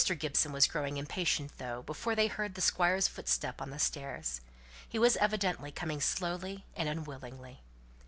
Gibson was growing impatient though, before they heard the Squire's footstep on the stairs; he was evidently coming slowly and unwillingly.